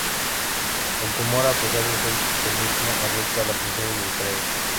El tumor, a pesar de ser benigno, afecta a las funciones del cerebro.